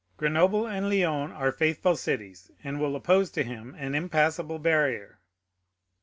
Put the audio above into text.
"Grenoble and Lyons are faithful cities, and will oppose to him an impassable barrier."